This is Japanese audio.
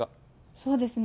そうですね。